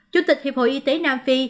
chủ tịch hiệp hội y tế nam phi